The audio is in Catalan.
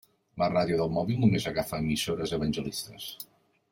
La ràdio del mòbil només agafa emissores evangelistes.